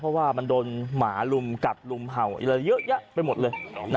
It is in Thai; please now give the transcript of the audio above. เพราะว่ามันโดนหมาลุมกัดลุมเห่าอะไรเยอะแยะไปหมดเลย